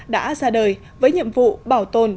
đã ra đời với nhiệm vụ bảo tồn